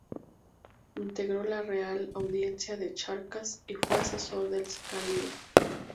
Integró la Real Audiencia de Charcas y fue asesor del Cabildo.